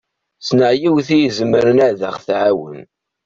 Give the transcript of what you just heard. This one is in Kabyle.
Ssneɣ yiwet i izemren ad ɣ-tɛawen.